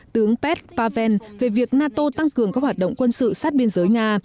tướng pet praven về việc nato tăng cường các hoạt động quân sự sát biên giới nga